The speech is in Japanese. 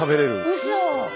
うそ！